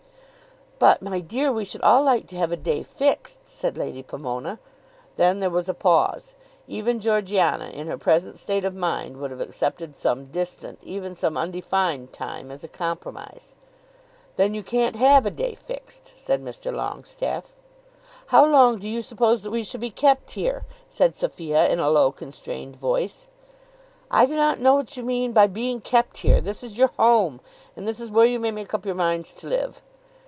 "But, my dear, we should all like to have a day fixed," said Lady Pomona. Then there was a pause. Even Georgiana, in her present state of mind, would have accepted some distant, even some undefined time, as a compromise. "Then you can't have a day fixed," said Mr. Longestaffe. "How long do you suppose that we shall be kept here?" said Sophia, in a low constrained voice. "I do not know what you mean by being kept here. This is your home, and this is where you may make up your minds to live."